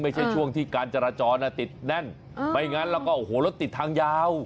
ไม่ใช่ช่วงที่การจราจรติดแน่นไม่งั้นแล้วก็โอ้โหรถติดทางยาว